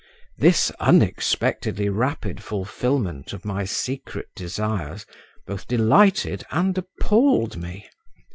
This unexpectedly rapid fulfilment of my secret desires both delighted and appalled me.